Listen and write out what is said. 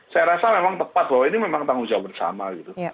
saya rasa memang tepat bahwa ini memang tanggung jawab bersama gitu